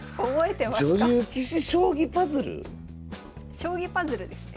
将棋パズルですね。